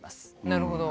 なるほど。